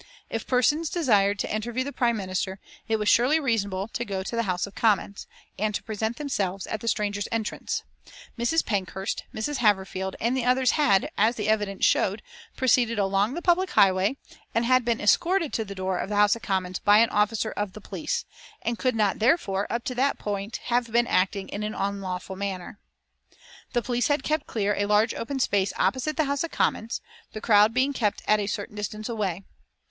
If persons desired to interview the Prime Minister, it was surely reasonable to go to the House of Commons, and to present themselves at the Strangers' Entrance. Mrs. Pankhurst, Mrs. Haverfield and the others had, as the evidence showed, proceeded along the public highway and had been escorted to the door of the House of Commons by an officer of the police, and could not therefore, up to that point, have been acting in an unlawful manner. The police had kept clear a large open space opposite the House of Commons, the crowd being kept at a certain distance away.